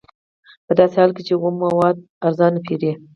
په داسې حال کې چې اومه مواد ارزانه پېري